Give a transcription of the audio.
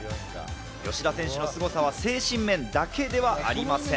吉田選手のすごさは精神面だけではありません。